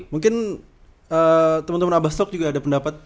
mungkin temen temen abastok juga ada pendapat